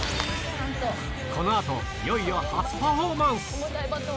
このあと、いよいよ初パフォーマンス。